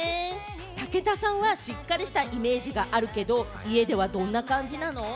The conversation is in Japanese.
武田さんはしっかりしたイメージがあるけれども、家ではどんな感じなの？